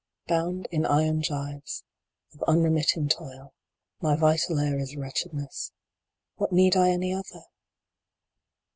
Bound in iron gyves of unremitting toil, my vital air is wretchedness what need I any other